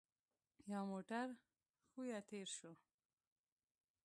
يو موټر ښويه تېر شو.